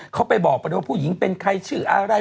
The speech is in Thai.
เขาไปบอกไปว่าผู้หญิงเป็นใครชื่ออะไร